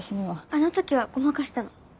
あの時はごまかしたの。